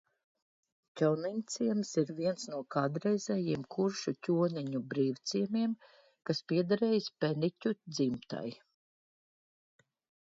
Ķoniņciems ir viens no kādreizējiem kuršu ķoniņu brīvciemiem, kas piederējis Peniķu dzimtai.